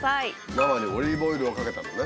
生にオリーブオイルをかけたのね。